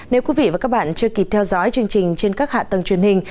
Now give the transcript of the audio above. nếu quý vị và các bạn chưa kịp theo dõi chương trình trên các hạ tầng truyền hình